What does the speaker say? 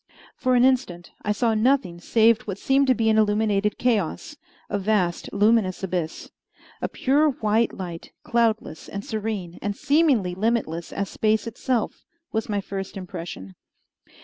For an instant I saw nothing save what seemed to be an illuminated chaos, a vast, luminous abyss. A pure white light, cloudless and serene, and seemingly limitless as space itself, was my first impression.